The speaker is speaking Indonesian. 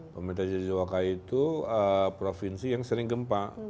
pemerintah shizuoka itu provinsi yang sering gempa